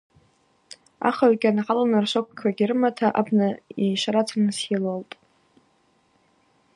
Ахыгӏвгьи ангӏалын ршвокьквагьи рымата абна йшварацырныс йылалтӏ.